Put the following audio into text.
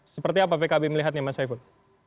seperti apa pkb melihatnya mas saiful